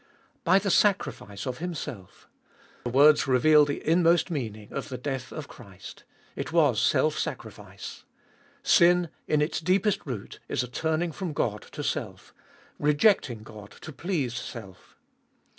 By the sacrifice of Himself. The words reveal the inmost meaning of the death of Christ : it was self sacrifice. Sin, in its deepest root, is a turning from God to self; rejecting God to please self.